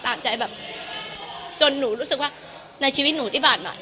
ใจแบบจนหนูรู้สึกว่าในชีวิตหนูที่ผ่านมา